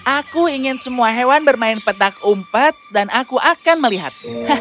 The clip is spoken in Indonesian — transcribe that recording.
aku ingin semua hewan bermain petak umpet dan aku akan melihat